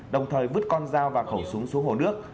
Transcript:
đồng thời vứt con dao và khẩu súng xuống hồ nước